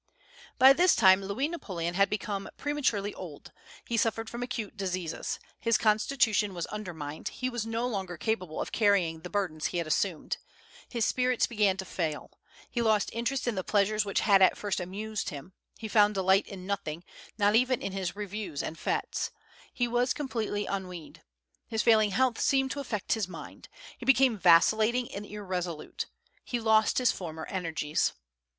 By this time Louis Napoleon had become prematurely old; he suffered from acute diseases; his constitution was undermined; he was no longer capable of carrying the burdens he had assumed; his spirits began to fail; he lost interest in the pleasures which had at first amused him; he found delight in nothing, not even in his reviews and fêtes; he was completely ennuied; his failing health seemed to affect his mind; he became vacillating and irresolute; he lost his former energies.